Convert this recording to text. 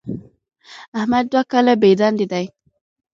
احمد دوه کاله بېدندې دی.